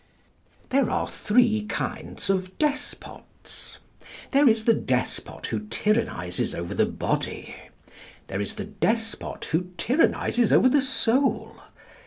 There are three kinds of despots. There is the despot who tyrannises over the body. There is the despot who tyrannises over the soul.